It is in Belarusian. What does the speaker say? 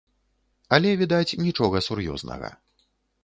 Але, відаць, нічога сур'ёзнага.